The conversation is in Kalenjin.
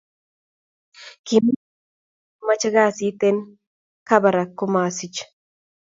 Kimiten lakwet nekimache kasit en kabarak komasich